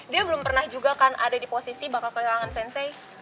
dia belum pernah juga kan ada di posisi bakal kehilangan sensai